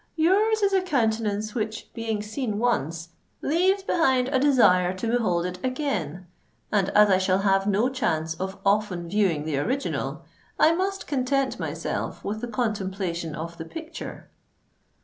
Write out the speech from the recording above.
"Your's is a countenance which, being seen once, leaves behind a desire to behold it again; and as I shall have no chance of often viewing the original, I must content myself with the contemplation of the picture."